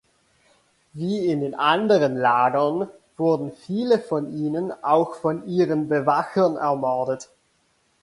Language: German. Wie in den anderen Lagern wurden viele von ihnen auch von ihren Bewachern ermordet.